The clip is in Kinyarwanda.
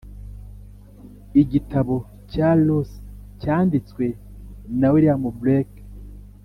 "igitabo cya los" cyanditswe na william blake